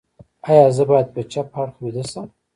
ایا زه باید په چپ اړخ ویده شم؟